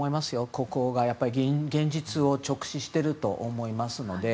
国王が現実を直視していると思いますので。